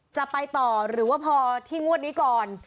จะไปต่อหรือว่าพอที่งวดนี้ก่อน